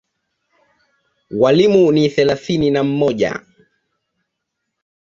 Walimu ni thelathini na mmoja.